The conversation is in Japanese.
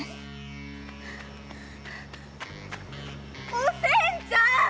おせんちゃん！